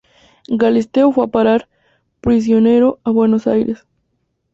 Galisteo fue a parar, prisionero, a Buenos Aires.